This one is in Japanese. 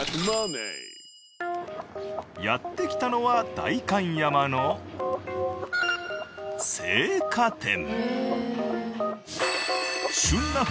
やって来たのは代官山の青果店。